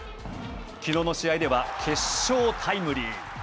きのうの試合では決勝タイムリー。